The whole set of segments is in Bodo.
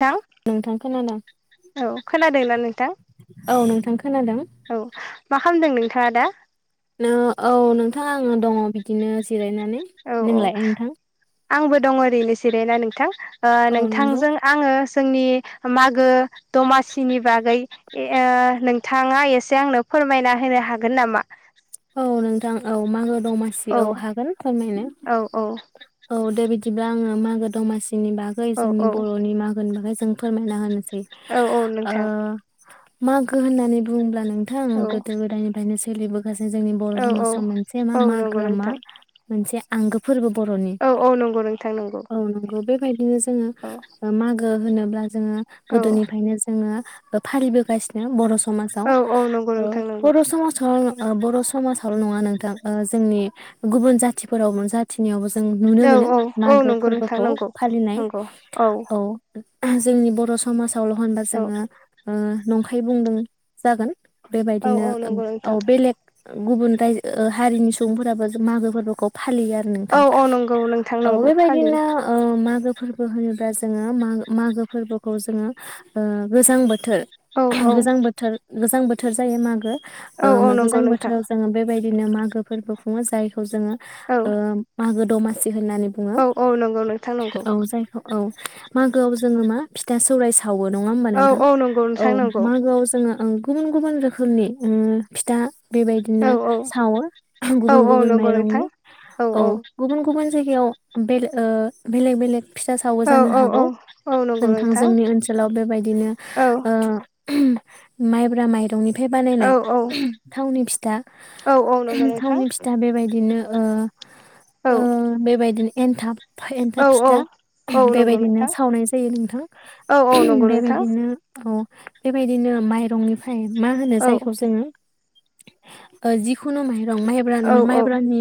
थां नोंथां खोनादों औ खोनादोंना नोंथां? औ नोंथां खोनादों औ मा खामदों नोंथाङा दा? नो औ नोंथा आङो दङ बिदिनो जिरायना नै औ औ नोंलाय नोंथां? आंबो दं ओरैनो जिरायना नोंथां। ओ औ नंगौ नोंथांजों आङो जोंनि मागो दमासिनि बागै ओ ए नोंथाङा एसे आंनो फोरमायना होनो हागोन नामा? औ नोंथां औ मागो। दमासि औ हागोन फोरमायनो औ औ औ दे बि बिदिब्ला आङो मागो दमासि नि बागै औ जोंनि औ बर'नि मागोनि बागै जों फोरमायना होनोसै। औ औ ओ नोंथां मागो होननानै बुंङोब्लानो नोंथां औ गोदो-गोदायनिफ्रायनो गेलेबो जोंनि बर' औ औ समाजाव मोनसे मा औ नंगौ मागोआ मा नोंथां मोनसे आंगो फोरबो बर'नि औ औ नंगौ नोंथां नंगौ औ नंगौ बे फायदिनो जो जोङो औ मागो होनोब्ला जोङो औ गोदोनिफ्रायनो जोङो। फालिबोगासिनो बर' समाजा औ औ नंगौ ओ नोंथां नंगौ बर' समाजाव बर' समाजावल' नङा नोंथां ओ जोंनि गुबुन जाथिफोराव जाथिनियावबो जों नुनो औ मोनो औ औ मागो नंगौ नोंथां फोरबोखौ नंगौ फालिनाय नंगौ औ जोंनि बर' समाज थावल' होनबा औ जोङो। नंखाय बुंदों जागोन। औ बेबायदिनो औ नंगौ औ नोंथां बेलेग गुबुन रायजो हारिनि सुबुंफोराबो मागो फोरबोखौ फालियो आरो औ नोंथां औ नंगौ नोंथां नंगौ फालियो बेबायदिनो मा फोरबो होनोब्ला जोङो मागो फोरबोखौ जोङो गोजां बो बोथोर औ औ गोजां बोथोर गोजां बोथोर बोथोर जायो मागो औ ओ औ मा नंगौ गोजां नोंथां बोथोराव जोङो बेबायदि बिदिनो मागो फोरबो खुङो जायखौ जोङो औ ओ मोगो दमासि होननानै बुङो औ औ नंगौ नोंथां नंगौ औ जायखौ औ मागोआव जोङो मा फिथा सौराय जा सावो नङा होमबा औ नोंथां औ नंगौ औ नोंथां नंगौ मागोआव जोङो ओं गुबुन गुबुन रोखोमनि उम फिथा औ बेबायदिनो औ सावर औ गुबुन औ गुबुन नंगौ नोंथां माइरंनि औ गुबुन गुबुन जायगायाव बेलेग ओ बेलेग बेलेग फिथा सावो औ जानो औ हागौ औ नंगौ नोंथां जोंनि ओनसोलाव बेबायदिनो औ ओ माइब्रा माइरंनि फाय औ बानायनाय थावनि फिथा औ औ नंगौ थावनि नोंथां फिथा बेबायदि बिदिनो ओ औ आ बेे बायदि नो एन्थाब औ एन्थाब फिथा औ नंगौ बेबायदिनो नोंथां सावनाय जायो नोंथां औ औ नंगौ नोंथां बेबायदिनो औ बेबायदिनो माइरंनिफ्राय ओमफ्राय मा होनो औ जायखौ जोङो। ओ जिखुनु माह रं माइब्रानो औ औ माइब्रानि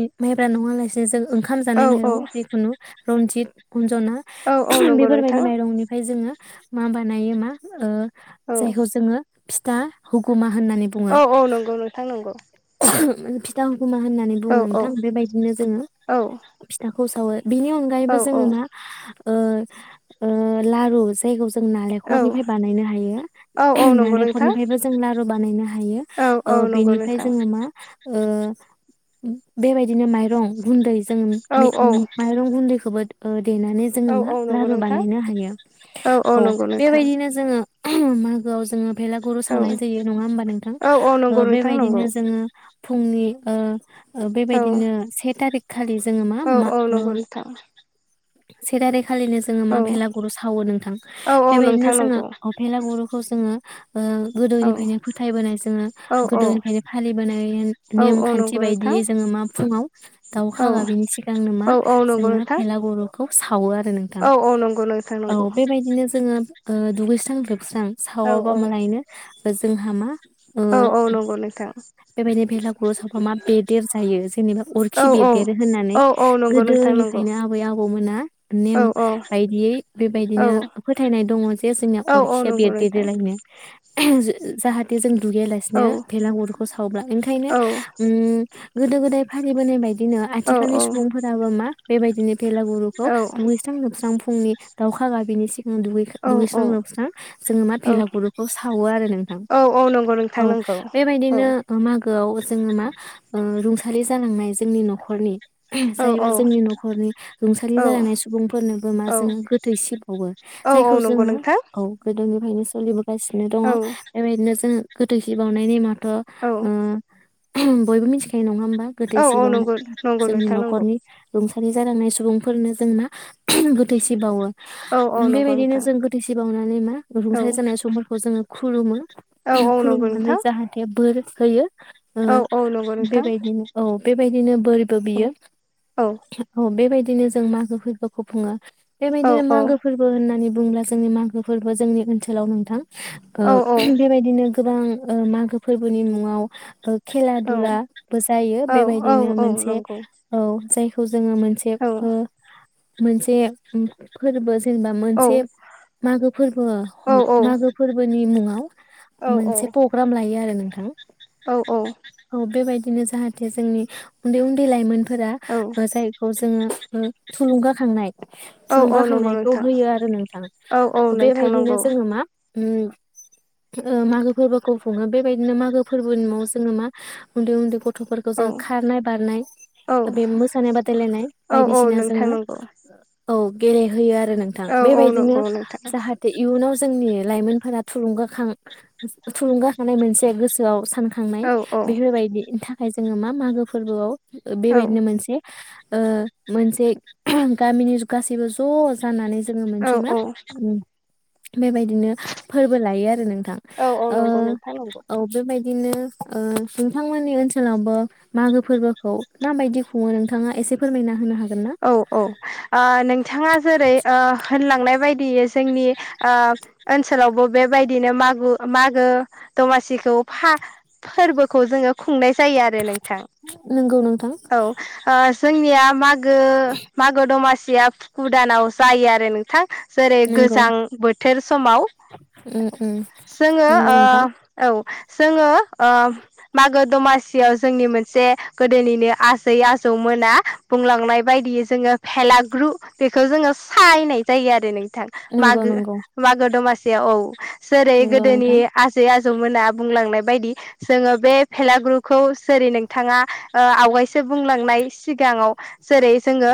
नङालासे जों ओंखाम जानाय औ माइरं औ जिखुनु रनजित अनजना औ [unintelligible] नंगौ बेफोरबायदि नोंथां माइरंनिफ्राय जोङो मा बानायो ओ औ जायखौ जोङो फिथा हुगुमा होननानै बुङो। थां नंगौ। [unintelligible] फिथां खोमा होननानै बुङो औ औ नोंथां बेबायदिनो जोङो औ फिथाखौ खौ सावो बेनि अनगायैबो औ जोङो मा ओ ओ लारु जायखौ जों औ नालेंखरनिफ्राय बानायनो हायो औ औ नंगौ नोंथां नालेंखलनिफ्रायबो जों लारु बानायनो हायो औ औ ओ नंगौ बेनिफ्राय नोंथां जोङो मा ओ बेबायदिनो माइरं गुन्दै जों औ औ [unintelligible] माइरं गुन्दैखौबो ओ देनानै औ जोङो मा औ नंगौ लारु नोंथां बानायनो हायो औ बेबायदिनो जोङो [unintelligible] मागोआव जोङो भेलागुर औ सावनाय जायो नङा होमबा नोंथां औ औ नंगौ ओ नोंथां नंगौ बेबायदिनो जोङो फुंनि ओ औ बेबायदिनो से थारिख खालि जोङो मा औ मा औ ओ नंगौ नोंथां [unintelligible] खालिनो जोङो औ मा भेलागुर सावो नोंथां औ औ बेबायदिनो नोंथां जोङो नंगौ अ भेलागुर खौ जोङो ओ औ गोदोनिफ्रायनो फोथायबोनाय जोङो औ गोदोनिफ्रायनो फालिबोनाय औ औ नेमखान्थि नंगौ नोंथां बायदियै जोङो मा फुङाव औ दाउखा गाबैनि सिगांनो मा औ औ नंगौ जोङो नोंथां भेलागुर खौ सा सावो आरो नोंथां औ औ नंगौ नोंथां औ नंगौ बेबायदिनो जोङो ओ दुगैस्रां लोब स्रां औ सावाबा मालायनो जोंहा मा औ औ नंगौ नोंथां भेलागुर सावबा मा बेदेर जायो जेनेबा औ अरखि औ बेरदेरो होननानै औ औ नंगौ नोंथां नंगौ गोदोनिफ्रायनो आबै आबौमोना औ नेम औ बायदियै औ बेबायदिनो फोथायनाय दङ जे जोंनि औ औ अरखिया नंगौ नोंथां बेरदेरोलायनो [unintelligible] जाहाथे जों दुगैया औ लासिनो भेलागुरखौ सावब्ला ओंखायनो औ ओम गोदो-गोदाय फालिबोनाय बायदि बिदिनो औ आथिखालनि सुबुंफोराबो मा बेबायदिनो बेेलागुरुखौ दुैस्रां-लोबस्रां फुंनि दाउखा गाबिनि सि औ औ दुगैस्रां-लोबस्रां जोङो मा औ भेलागुरुखौ सावो आरो नोंथां औ औ नंगौ नोंथां औ नंगौ बेफोर औ बायदिनो ओ मा गोआव जोङो मा ओ रुंसालि जालांनाय जोंनि नखरनि औ औ जायबा जोंनि नखरनि रुंसालि औ जालांनाय सुबुंफोरनोबो मा औ जोङो गोथै सि बाउवो औ औ जायखौ नंगौ जोङो नोंथां औ गोदोनि यनो सलि जागासिनो दङ औ बेबायदिनो जोङो गोथैसि बाउ नाय नेमा थ औ ओ बयबो मिथिखायो नङा होमबा। गोथै औ सि औ नंगौ बाउनाय नंगौ जोंनि नोंथां नंगौ नखरनि रुंसा सारि जालांनाय सुबुंफोरनो जोंना गोथैसि बावो। औ औ नंगौ बेबायदिनो नोंथां जों गोथैसि बावनानै मा औ रुंसारि जानाय समफोरखौ जोङो खुलुमो औ औ नंगौ खुलुमनानै नोंथां जाथे बोर होयो। औ ओ औ नंगौ नोंथां बेबायदिनो औ बे बेबायदिनो बोरबो औ बियो औ औ बेबायदि बिदिनो जों मागो फोरबोखौ बुङो। औ बेबायदिनो औ मागो फोरबो होननानै बुंब्ला जोंनि मागो फोरबो जोंनि ओनसोलाव नोंथां ओ औ बेबायदिनो गोबां ओ मागो फोरबोनि मुङाव खेला दुलाबो जायो औ औ बेबायदिनो औ मोनसे नंगौ औ जाय जोङो मोनसे औ ओ मोनसे ओम फोरबो जेनेबा औ मोनसे मागो फोरबो औ मागो फोरबोनि मुङा औ औ। लायो आरो नोंथां औ औ बिनो जाहाथे जोंनि उन्दै उन्दै लाइमोन फोरा ओ जायखौ जोङो ओ थुलुंगाखांनाय औ औ नंगौ थुलुंगाखांनायखौ नोंथां होयो आरो नोंथां औ औ नोंथां बेबायदिनो नंगौ जोङो मा उम ओ मागो फोरबोखौ खुङो बेबायदिनो मागो फोरबोनि उनाव जोङो मा उन्दै उन्दै गथ गथ'फोरखौ औ जोङो खारनाय बारनाय औ बे मोसानाय बादायलायनाय औ औ बायदिसिना नोंथां जोङो नंगौ औ गेलेहोयो आरो नोंथां औ औ बेबायदिनो नंगौ नोंथां जाहाथे इयुनाव जोंनि लाइमोनफोरा थुलुंगाखां थुलुंगाखांनाय मोनसे गोसोआव सान खांनाय औ औ बेफोरबायदि था फाय जोङो मा मागो फोरबोआव औ बेबायदिनो मोनसे ओ मोनसे गामिनि गासैबो ज' जानानै जोङो औ मोनसे मा औ बेबायदिनो फोरबो लायो आरो नोंथां औ औ नंगौ नोंथां नंगौ दिनो नोंथांमोननि ओनसोलावबो मागो फोरबोखौ माबायदि खुङो नोंथाङा एसे फोरमायना होनो हागोन ना औ औ ओ नोंथाङा जेरै ओ होनलांनाय बायदियै जोंनि ओ ओनसोलावबो बेबायदिनो मागु मागो दमासिखौ फा फोरबोखौ जोङो खुंनाय जायो आरो नोंथां नंगौ नोंथां औ ओ जोंनिया माग मागो मागो दमासि या गुदानाव जायो आरो नोंथां जेरै नंगौ गोजां बोथोर समाव उम उम जोङो नंगौ ओ नोंथां औ जोङो अ मागो दमासियाव जोंनि मोनसे गोदोनिनो आजै आजौमोना बुंलां थांनाय बायदियै जोङो फेलाग्रु बेखौ जोङो सायनाय जायो आरो नोंथां थां नंगौ मागो नंगौ मागो दमासि औ जेरै नंगौ गोदोनि नोंथां आजै आजौ जौमोना बुंलांनाय बायदि जोङो बे फेलाग्रुखौ जेरै नोंथाङा आवगायसो बुंलांनाय सिगाङाव जेरै जोङो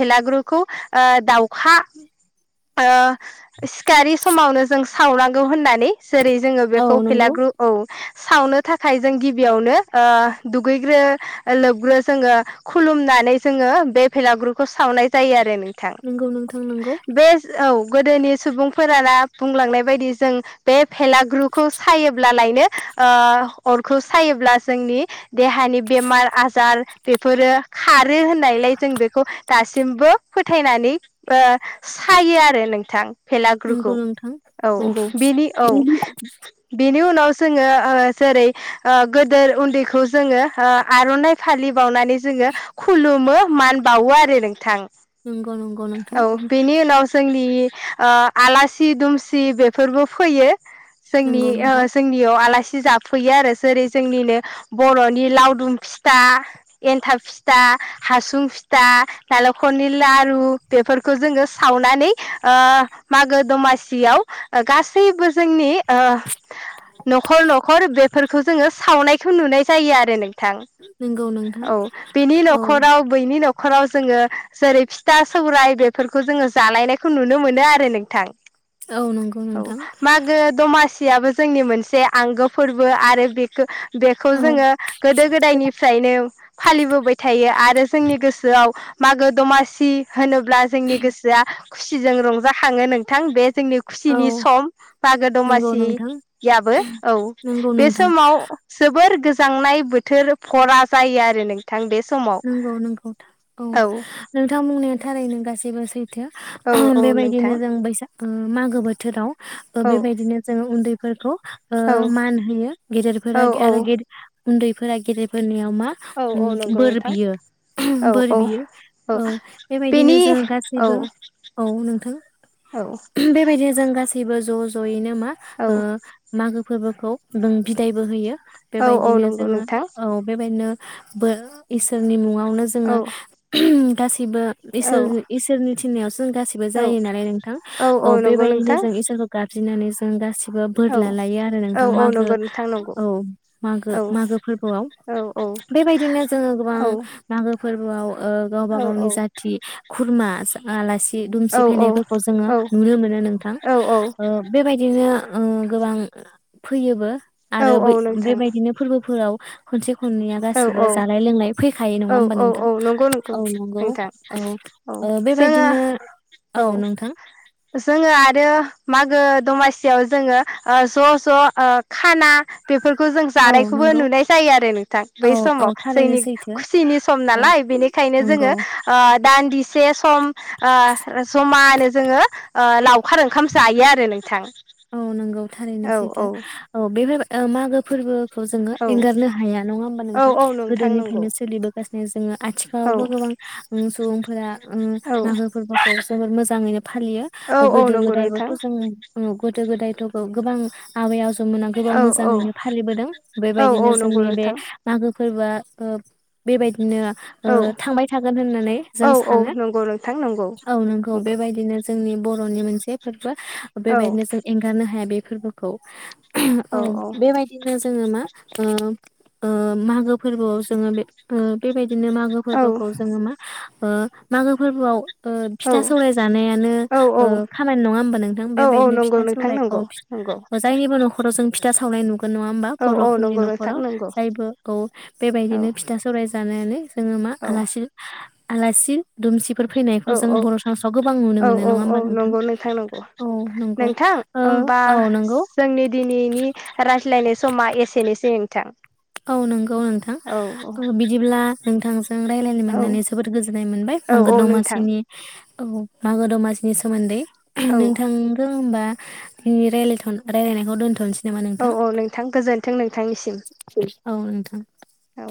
भेलाग्रुखौ ओ दाउखा ओ सिखारि समावनो जों सावनांगौ होननानै जेरै जोङो औ बेखौ नंगौ फिलाग्रु औ सावनो थाखाय जों गिबियावनो ओ दुगैग्रो लोबग्रो जोङो खुलुमनानै जोङो बे भेलागुरुखौ सावनाय जायो आरो। थां नंगौ नोंथां नंगौ बे औ गोदोनि सुबुंफोराना बुंलांनाय बायदि जों बे भेलागुरखौ सायोब्ला लायनो ओ अरखौ सायोब्ला जोंनि देहानि बेमार आजार बेफोरो खार होननायलाय जों बेखौ दासिम मबो फोथायनानै ओ सायो आरो नोंथां भेलागुरखौ नंगौ नोंथां औ नंगौ बिनि औ बेनि उनाव जोङो ओ जेरै ओ गोदोर उन्दैखौ जोङो आर'नाइ फालि बावनानै जोङो। खुलुमो मान बावो आरो नोंथां। नंगौ नंगौ नोंथां औ बेनि उनाव जोंनि ओ आलासि दुमसि बेफोरबो फैयो। जोंनि नंगौ ओ नोंथां जोंनियाव आलासि जा फैयो आरो जेरै जोंनिनो बर'नि लावदुम फिथा एन्थाब फिथा फिथा हासुं फिथा नालेंखरनि लारु बेफोरखौ जोङो सावनानै ओ मागो दमासियाव गासैबो जोंनि ओ नखर नखर बेफोरखौ जोङो सावनायखौ नुनाय जायो आरो नों थां नंगौ नोंथां औ। औ नखराव बैनि। नि न'खराव जोङो जेरै फिथा सौराय बेफोरखौ जोङो जालायनायखौ नुनो मोनो आरो नोंथां। औ नंगौ औ नोंथां मागो दमासि याबो जोंनि मोनसे आंगो फोरबो आरो बेखौ बेखौ औ जोङो गोदो गोदायनिफ्रायनो फालि बो थायो आरो जोंनि गोसोआव मागो दमासि होनोब्ला जोंनि गोसोआ खुसिजों रंजाखाङो नोंथां बे जोंनि औ खुसिनि सम मागो नंगौ नोंथां दमासियाबो औ नंगौ बे नोंथां समाव जोबोर गो जांनाय बोथोर भरा जायो आरो नों थां बे समाव नंगौ नंगौ औ नोंथांमोननि थारैनो गाससिबो सैथ औ औ बेबायदिनो नोंथां जों बैसाग मागो बोथोराव ओ औ बेबायदिनो जोंङो उन्दैफोरखौ ओ औ मान होयो औ गेदेरफोरा आरो गेदे उन्दैफोरा गेदेरफोरनियाव नमा औ औ उम नंगौ बोर नोंथां औ बोर औ बियो औ बेबायदिनो बेनि जों औ गासैबो औ नोंथां औ बेबादिनो जों गासैबो ज ज' ज'यैनो मा औ ओ मागो फोरबोखौ जों बिदायबो होयो औ औ बेबायदिनो नंगौ जोङो नोंथां औ बेबायदिनो बो इसोरनि मुङाव नो औ जोङो [unintelligible] गासिबो औ इसोर इसोरनि थिननायावसो जों गासिबो औ जायो नालाय नोंथां औ बेबायदिनो जों इसोरखौ गाब ज्रिनानै जों गासै बो बोर औ लालायो आरो औ नोंथां औ मागो नंगौ नोंथां नंगौ औ मागो औ मागो फोरबोआव औ औ बेबायदिनो गोबां औ नांगौ फोरबोआव ओ गावबा औ गावनि जाथि खुरमा आलासि दुमसि औ फायनायफोरखौ जोङो नुनो मोनो नोंथां ओ बेबायदिनो ओ गोबां फैयोबो औ आरो औ बै नोंथां बेबायदिनो फोरबोफोराव खनसे हुननाया औ गासिबो औ जानाय लोंनाय फै खायो नङा औ होमबा नोंथां औ औ नंगौ नोंथां औ नंगौ औ औ ओ बेबायदिनो जोङो औ नोंथां जोङो आरो मागो दमासियाव जोङो ओ ज' ज' ओ खाना बे फोरखौ जों औ जानायखौबो नंगौ नुनाय जायो आरो नोंथां बै औ समाव औ थारैनो जोंनि सैथो थिनि सम औ नालाय बेनिखायनो जोङो नंगौ ओ दानदि से सम ओ जमानो जोङो ओ लावखार ओंखाम जायो आरो नोंथां औ नंगौ थारैनो औ औ सैथो औ बेफोर ओ मागो फोरबो खौ जोङो औ एंगारनो हाया नङा होमबा औ नोंथां औ नोंथां नंगौ गोदोनिफ्रायनो सोलिबोगासिनो जोङो औ आथिखालावबो गोबां ओ सुबुं फोरा उम औ मागोफोरबोखौ जोबोर मोजाङै फालियो औ औ गोदो नंगौ नोंथां गोदायबोथ' जों गोदो गोदायथ'खौ गोबां आबायाव [unintelligible] औ औ मोजाङैनो फालिबोदों औ औ बेबायदिनो नंगौ जोंनि बे नोंथां मागो फोरबोआ ओ बेबायदिनो ओ औ थांबाय थागोन होननानै जों औ औ सानो नंगौ नोंथां नंगौ औ नोंगौ नंगौ बेबायदिनो जोंनि बर'नि मोनसे फोर बो औ बेबायदिनो नो हाया बे फोरबोखौ औ बेबायदिनो जोङो मा ओ ओ मागो फोरबोआव जोङो बे बेबायदि बिदिनो मागो औ फोरबोखौ जोङो मा ओ मागो फोरबोआव ओ फिथा औ सौराय जानायानो औ औ ओ खामानि नङा होमबा नोंथां औ औ नंगौ बेबायदिनो नोंथां नंगौ नंगौ औ जायनिबो न' ' जों फिथा सावनाय नुगोन नङा होमबा औ औ बर'फोरनि नंगौ नोंथां न'खराव नंगौ जायबोखौ औ बेबायदिनो फिथा सौराय जानानै जोङो मा औ आलासि आलासि दुमसि फोर औ फैनायखौ जों औ बर' सामासआव गोबां नुनो औ मोनो औ नङा औ होमबा नोंथां नंगौ नंगौ औ नंगौ नोंथां ओ होमबा औ नंगौ जोंनि दिनैनि रायज्लायनाय समा एसेनोसै नोंथां औ नोंगौ औ नोंथां औ औ ओ बिदिब्ला नोंथांजों रायलायनो औ मोननानै जोबोद गोजोननाय मोनबाय औ आंगो औ नोंथां दमासिनि औ मागो दमासिनि सोमोन्दै औ नोंथांबो [unintelligible] रायलायनायखौ दोनथ'नसै औ औ नोंथां गोजोन्थों नोंथांनिसिम औ‌ नोंथां औ